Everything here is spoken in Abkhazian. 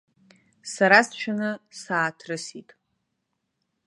Сара сшәаны сааҭрысит.